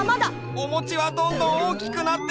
おもちはどんどんおおきくなってるよ！